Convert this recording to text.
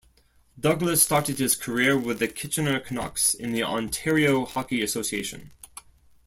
Douglas started his career with the Kitchener Canucks in the Ontario Hockey Association.